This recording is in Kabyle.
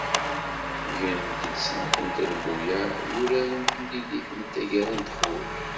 Ggrant-d, snat n trebbuyaɛ i yuraren timlilit n taggara n teqbuct.